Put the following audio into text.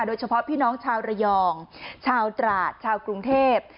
โดยเฉพาะพี่น้องชาวระยองชาวตราดชาวกรุงเทพ